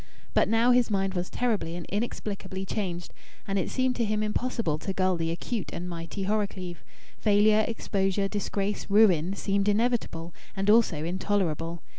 But now his mind was terribly and inexplicably changed, and it seemed to him impossible to gull the acute and mighty Horrocleave. Failure, exposure, disgrace, ruin, seemed inevitable and also intolerable.